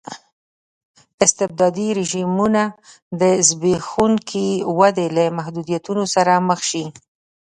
استبدادي رژیمونه د زبېښونکې ودې له محدودیتونو سره مخ شي.